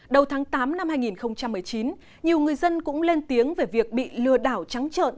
đầu tháng tám năm hai nghìn một mươi chín nhiều người dân cũng lên tiếng về việc bị lừa đảo trắng trợn